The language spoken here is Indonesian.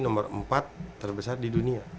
nomor empat terbesar di dunia